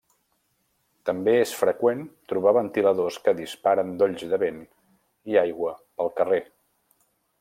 També és freqüent trobar ventiladors que disparen dolls de vent i aigua pel carrer.